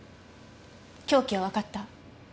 凶器はわかった？